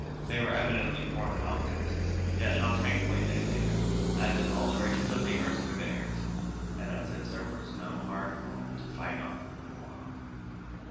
They were evidently poor outcasts, yet how tranquilly they lay there, as if all the riches of the earth were theirs, and as if there was no hard world to fight on the morrow.